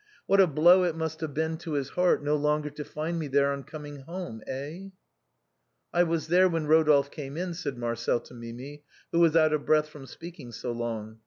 What a blow it must have been to his heart no longer to find me there on coming home, eh ?"" I was there when Rodolphe came in," said Marcel to Mimi, who was out of breath from speaking so long.